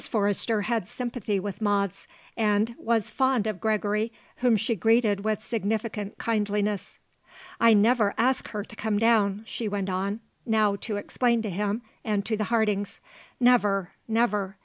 Forrester had sympathy with moths, and was fond of Gregory, whom she greeted with significant kindliness. "I never ask her to come down," she went on now to explain to him and to the Hardings. "Never, never.